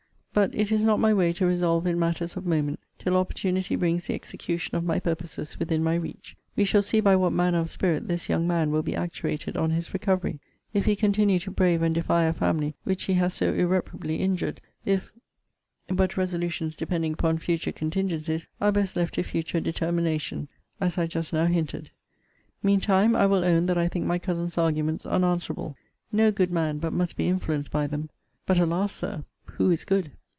But it is not my way to resolve in matters of moment, till opportunity brings the execution of my purposes within my reach. We shall see by what manner of spirit this young man will be actuated on his recovery. If he continue to brave and defy a family, which he has so irreparably injured if but resolutions depending upon future contingencies are best left to future determination, as I just now hinted. Mean time, I will own that I think my cousin's arguments unanswerable. No good man but must be influenced by them. But, alas! Sir, who is good?